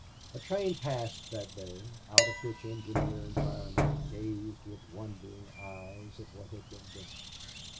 A train passed that day, out of which engineer and fireman gazed with wondering eyes at what had been Benton.